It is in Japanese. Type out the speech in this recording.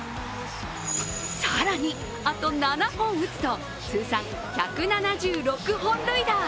更に、あと７本打つと、通算１７６本塁打。